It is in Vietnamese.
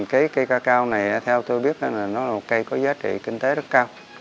cây ca cao này theo tôi biết là một cây có giá trị kinh tế rất cao